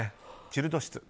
チルド室。